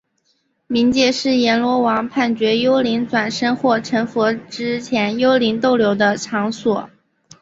冥界是阎罗王判决幽灵转生或成佛之前幽灵逗留的场所。